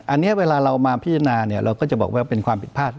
อันนี้เวลาเรามาพิจารณาเราก็จะบอกว่าเป็นความผิดพลาด